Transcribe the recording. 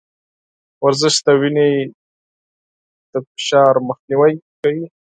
ورزش د وينې له فشار مخنيوی کوي.